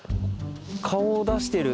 顔を出してる。